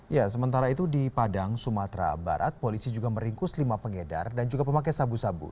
ya sementara itu di padang sumatera barat polisi juga meringkus lima pengedar dan juga pemakai sabu sabu